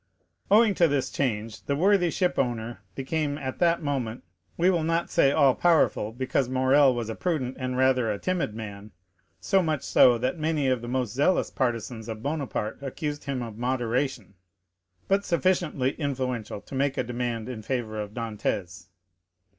0159m Owing to this change, the worthy shipowner became at that moment—we will not say all powerful, because Morrel was a prudent and rather a timid man, so much so, that many of the most zealous partisans of Bonaparte accused him of "moderation"—but sufficiently influential to make a demand in favor of Dantès.